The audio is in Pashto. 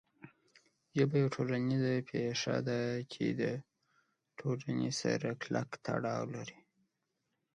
ژبه یوه ټولنیزه پېښه ده چې د ټولنې سره کلک تړاو لري.